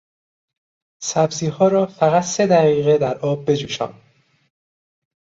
سبزیها را فقط سه دقیقه در آب بجوشان.